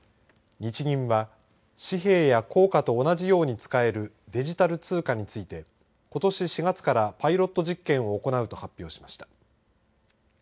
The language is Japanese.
日銀は紙幣や硬貨と同じように使えるデジタル通貨についてことし４月からパイロット実験を行うと発表しました。